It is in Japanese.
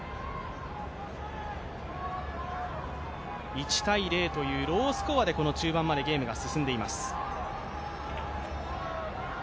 １−０というロースコアで中盤までゲームが進んでいます。